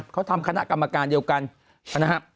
เขาทำคณะกรรมการเดียวกันนะครับ